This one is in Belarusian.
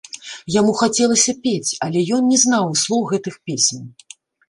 Яму хацелася пець, але ён не знаў слоў гэтых песень.